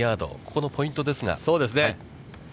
ここのポイントですが。